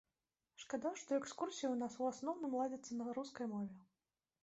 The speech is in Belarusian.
Шкада, што экскурсіі ў нас у асноўным ладзяцца на рускай мове.